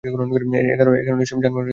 এ কারণে এসব যানবাহন ধীরগতিতে চলছে।